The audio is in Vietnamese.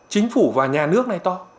chính phủ và nhà nước này to